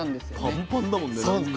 パンパンだもんねなんか。